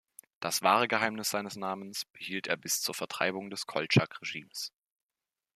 Das wahre Geheimnis seines Namens behielt er bis zur Vertreibung des Koltschak-Regimes.